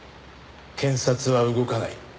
検察は動かない。